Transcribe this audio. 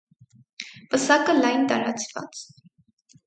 Պսակը լայն տարածված։